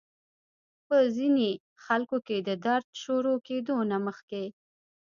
پۀ ځينې خلکو کې د درد شورو کېدو نه مخکې